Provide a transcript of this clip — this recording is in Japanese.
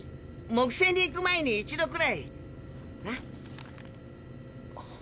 木星に行く前に一度くらいな。